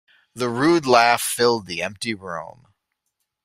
The rude laugh filled the empty room.